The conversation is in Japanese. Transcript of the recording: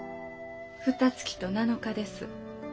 ふたつきと７日です。